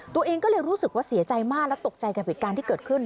ตัวเองก็เลยรู้สึกว่าเสียใจมากและตกใจกับเหตุการณ์ที่เกิดขึ้น